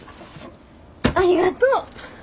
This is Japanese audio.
ありがとう！